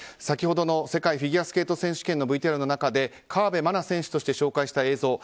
先ほどの世界フィギュアスケート選手権のＶＴＲの中で河辺愛菜選手として紹介した映像